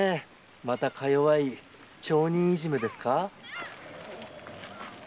またか弱い町人いじめですか？